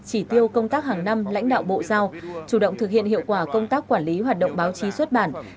chỉ tiêu công tác hàng năm lãnh đạo bộ giao chủ động thực hiện hiệu quả công tác quản lý hoạt động báo chí xuất bản